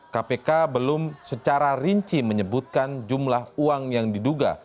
kpk belum secara rinci menyebutkan jumlah uang yang diduga